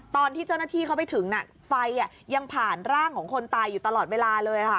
ตอนที่เจ้าหน้าที่เขาไปถึงไฟยังผ่านร่างของคนตายอยู่ตลอดเวลาเลยค่ะ